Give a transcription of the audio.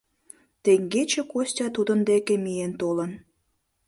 Теҥгече Костя тудын деке миен толын.